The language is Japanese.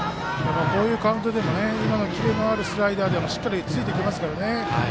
こういうカウントでも今のキレのあるスライダーにもしっかりついていきますからね。